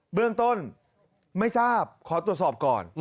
เบื้องต้นไม่ทราบขอตรวจสอบก่อน